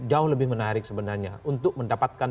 jauh lebih menarik sebenarnya untuk mendapatkan